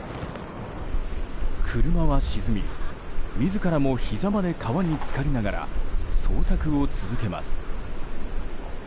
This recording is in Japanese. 車は沈み、自らもひざまで川に浸かりながら捜索を続けます。